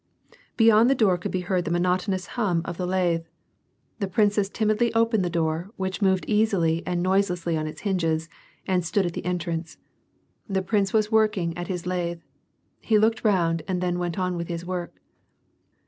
Beyond the door could be beard the monotonous hum of the 104 WAR AND PEACE. lathe. The princess timidly opened the door, which moved easily and noiselessly on its hinges, and stood at the entrance. The prince was working at his lathe. He looked round and then went on with his work.